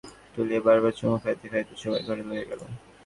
কমলা তাড়াতাড়ি উমিকে কোলে তুলিয়া বারংবার চুমো খাইতে খাইতে শোবার ঘরে লইয়া গেল।